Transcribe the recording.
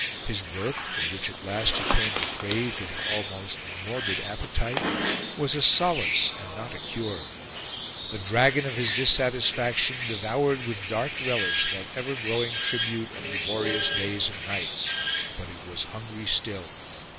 His work, for which at last he came to crave with an almost morbid appetite, was a solace and not a cure; the dragon of his dissatisfaction devoured with dark relish that ever growing tribute of laborious days and nights; but it was hungry still.